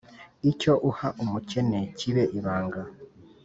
icyo uha umukene kibe ibanga